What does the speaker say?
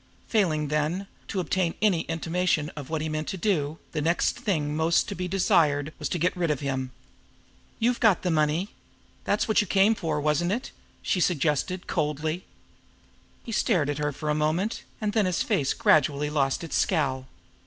Failing, then, to obtain any intimation of what he meant to do, the next thing most to be desired was to get rid of him. "You've got the money. That's what you came for, wasn't it?" she suggested coldly. He stared at her for a moment, and then his face gradually lost its scowl.